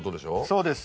そうです。